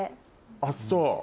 あっそう。